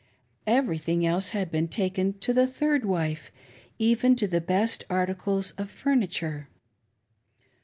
Everyl^iing else had been taken to the third wife, even to the best articles of furniture.